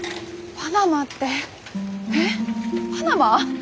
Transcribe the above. パナマ！？